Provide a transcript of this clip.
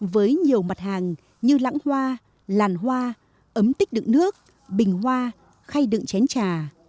với nhiều mặt hàng như lãng hoa làn hoa ấm tích đựng nước bình hoa khay đựng chén trà